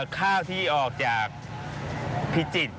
ข้าวที่ออกจากพิจิตร